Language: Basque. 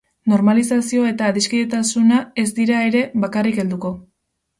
Normalizazioa eta adiskidetasuna ez dira ere bakarrik helduko.